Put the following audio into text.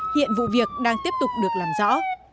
hiện vụ việc đang tiếp tục được làm rõ